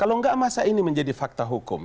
kalau enggak masa ini menjadi fakta hukum